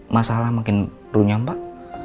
masalah makin runyam pak